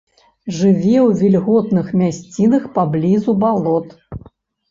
Жыве ў вільготных мясцінах, паблізу балот.